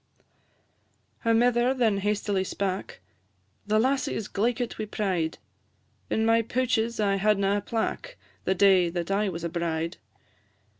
Her mither then hastily spak "The lassie is glaikit wi' pride; In my pouches I hadna a plack The day that I was a bride.